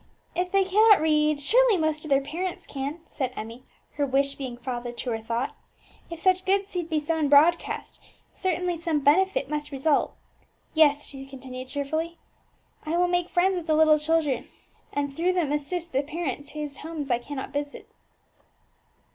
"If they cannot read, surely most of their parents can," said Emmie, her wish being father to her thought. "If such good seed be sown broadcast, certainly some benefit must result. Yes," she continued cheerfully, "I will make friends with the little children, and through them assist the parents whose homes I cannot visit."